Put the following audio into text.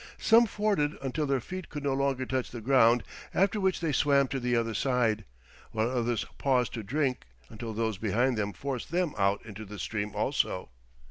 Some forded until their feet could no longer touch the ground, after which they swam to the other side, while others paused to drink until those behind them forced them out into the stream also.